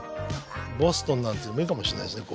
ボストンなんてのもいいかもしんないですね